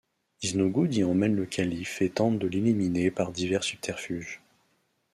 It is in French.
Iznogoud y emmène le Calife et tente de l'éliminer par divers subterfuges.